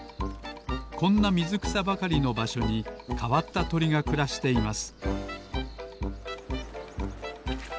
こんなみずくさばかりのばしょにかわったとりがくらしています